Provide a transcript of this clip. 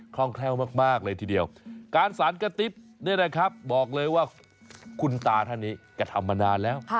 ร่องแคล่วมากเลยทีเดียวการสารกระติ๊บเนี่ยนะครับบอกเลยว่าคุณตาท่านนี้กระทำมานานแล้ว